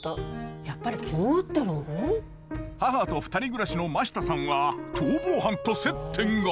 母と２人暮らしの真下さんは逃亡犯と接点が！？